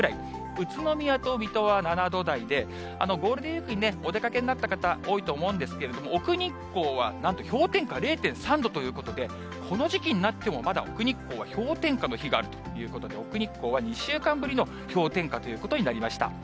宇都宮と水戸は７度台で、ゴールデンウィークにお出かけになった方、多いと思うんですけれども、奥日光はなんと氷点下０．３度ということで、この時期になっても、まだ奥日光は氷点下の日があるということで、奥日光は２週間ぶりの氷点下ということになりました。